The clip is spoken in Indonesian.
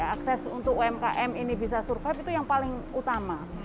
dan akses untuk umkm ini bisa survive itu yang paling utama